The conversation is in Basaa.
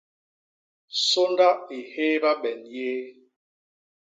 Sônda i hééba ben yéé.